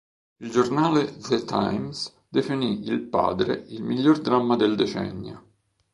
Il giornale "The Times" definì "Il padre" il miglior dramma del decennio.